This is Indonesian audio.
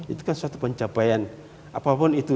itu kan suatu pencapaian apapun itu